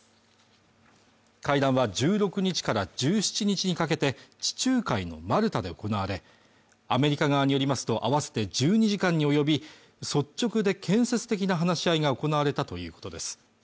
会談は１６日から１７日にかけて地中海のマルタで行われアメリカ側によりますと合わせて１２時間に及び率直で建設的な話し合いが行われたということです